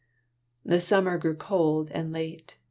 The summer day grew cold and late.